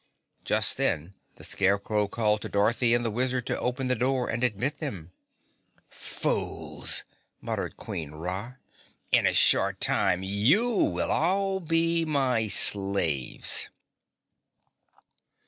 Just then the Scarecrow called to Dorothy and the Wizard to open the door and admit them. "Fools!" muttered Queen Ra. "In a short time you will all be my slaves."